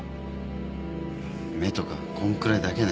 目とかこんくらいだけね。